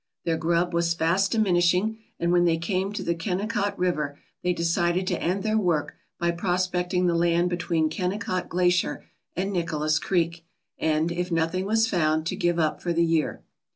Their grub was fast diminishing, and when they came to the Kennecott River they decided to end their work by prospecting the land between Kennecott Glacier and Nikolas Creek and, if nothing was found, to give up for the year.